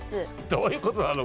どういうことなの？